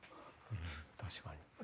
確かに。